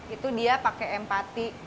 itu dia pakai empati